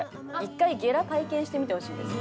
１回ゲラ体験してみてほしいです。